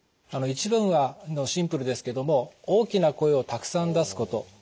一番はシンプルですけども大きな声をたくさん出すこと。